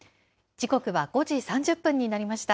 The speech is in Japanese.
時刻は５時３０分になりました。